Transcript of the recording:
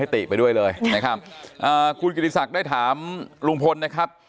ติไปด้วยเลยนะครับคุณกิติศักดิ์ได้ถามลุงพลนะครับ